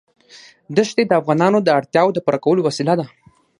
دښتې د افغانانو د اړتیاوو د پوره کولو وسیله ده.